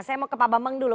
saya mau ke pak bambang dulu